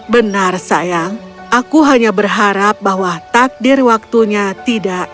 benar sayang aku hanya berharap bahwa takdir waktunya tidak